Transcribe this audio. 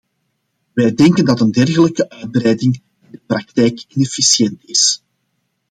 Wij denken dat een dergelijke uitbreiding in de praktijk inefficiënt is.